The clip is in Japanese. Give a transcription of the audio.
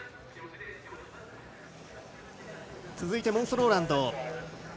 続いてモンス・ローランド。